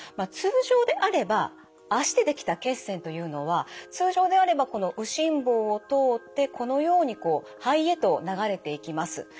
通常であれば脚でできた血栓というのは通常であればこの右心房を通ってこのようにこう肺へと流れていきます。